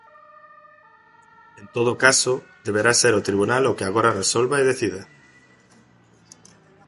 En todo caso, deberá ser o tribunal o que agora resolva e decida.